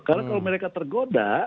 karena kalau mereka tergoda